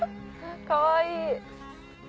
かわいい。